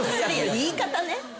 言い方ね。